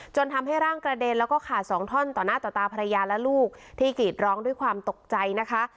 ทำให้ร่างกระเด็นแล้วก็ขาดสองท่อนต่อหน้าต่อตาภรรยาและลูกที่กรีดร้องด้วยความตกใจนะคะ